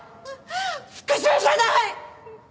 復讐じゃない！